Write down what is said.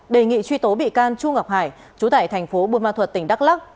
đề nghị truy tố bị can chu ngọc hải trú tại thành phố bùi ma thuật tỉnh đắk lắc